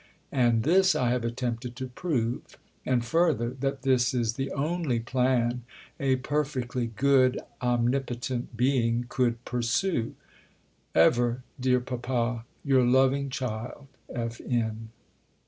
And this I have attempted to prove. And further that this is the only plan a perfectly good omnipotent Being could pursue.... Ever, dear Papa, your loving child, F. N.